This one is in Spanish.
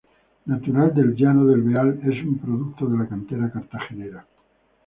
Natural de El Llano del Beal, es un producto de la cantera cartagenera.